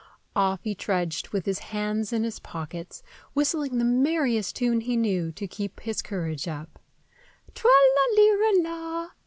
Off he trudged, with his hands in his pockets, whistling the merriest tune he knew, to keep his courage up,—"Tra la lira la!"